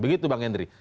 begitu bang hendry